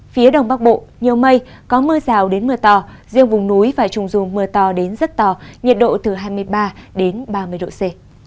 phía đông bắc bộ nhiều mây có mưa rào đến mưa to riêng vùng núi và trung du mưa to đến rất to nhiệt độ từ hai mươi ba đến ba mươi độ c